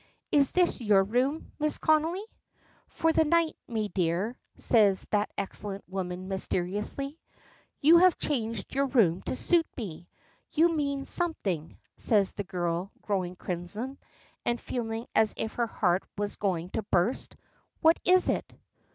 "Is this your room, Mrs. Connolly?" "For the night, me dear," says that excellent woman mysteriously. "You have changed your room to suit me. You mean something," says the girl, growing crimson, and feeling as if her heart were going to burst. "What is it?"